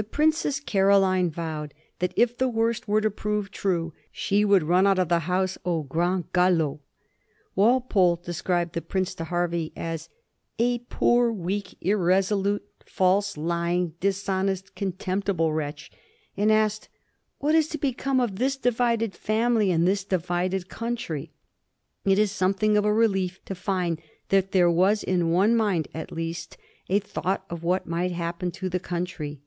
The Princess Caroline vowed that if the worst were to prove true, she would run out of the house au grand galop. WalpoliB described the prince to Hervey as " a poor, weak, irreso lute, false, lying, dishonest, contemptible wretch," and asked, ^^ What is to become of this divided family and this divided country ?" It is something of a relief to find that there was in one mind at least a thought of what might happen to the country.